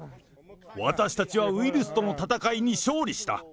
私たちはウイルスとの闘いに勝利した。